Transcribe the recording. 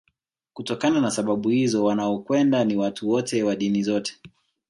Kutokana na sababu hizo wanaokwenda ni watu wote wa dini zote